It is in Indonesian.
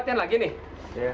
untuk mengobat pemen invece